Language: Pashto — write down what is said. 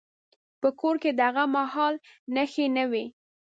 په کور کې د هغه مهال نښې نه وې.